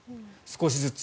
少しずつ。